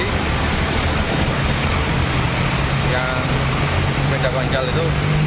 yang sepeda panjal itu